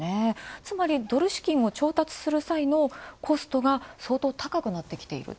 つまりドル資金を調達する際のコストが相当たかくなってきていると。